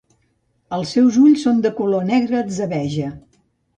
Els seus ulls són de color negre atzabeja.